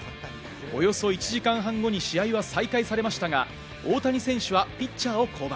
およそ１時間半後に試合は再開されましたが大谷選手はピッチャーを降板。